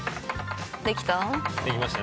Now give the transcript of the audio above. できた？